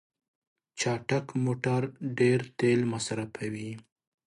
چټک موټر ډیر تېل مصرفوي.